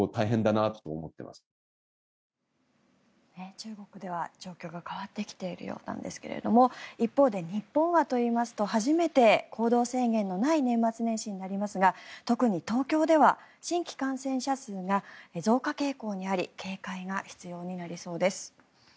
中国では、状況が変わってきているようなんですが一方で、日本はといいますと初めて行動制限のない年末年始になりますが特に東京では新規感染者数が増加傾向にあり警戒が必要になりそうです。